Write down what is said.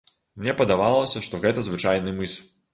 Мне падавалася, што гэта звычайны мыс.